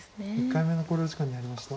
１回目の考慮時間に入りました。